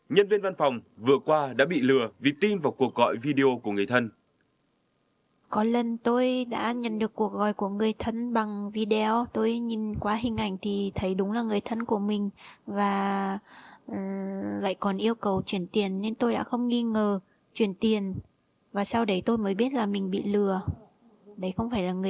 tôi biết là mình bị lừa đấy không phải là người thân của mình mà là hình ảnh qua trí tuệ nhân tạo